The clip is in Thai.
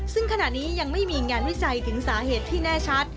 ซึ่งขณะนี้ยังไม่มีงานวิจัยถึงสาเหตุที่แน่ชัด